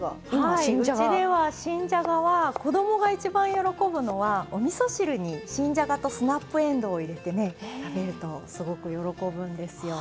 はいうちでは新じゃがは子供が一番喜ぶのはおみそ汁に新じゃがとスナップエンドウを入れてね食べるとすごく喜ぶんですよ。